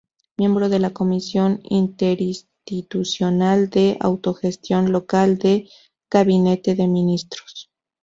Miembro de la Comisión interinstitucional de autogestión local del Gabinete de Ministros.